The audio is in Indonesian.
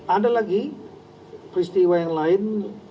ada lagi peristiwa yang lain